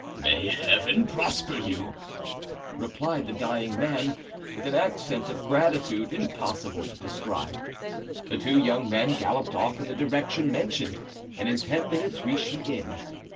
"May Heaven prosper you!" replied the dying man, with an accent of gratitude impossible to describe. The two young men galloped off in the direction mentioned and in ten minutes reached the inn.